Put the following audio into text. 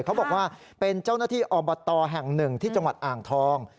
เขาบอกว่าเป็นเจ้าหน้าที่อบตแห่งหนึ่งที่จังหวัดอ่างทอง